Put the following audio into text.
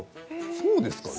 そうですか？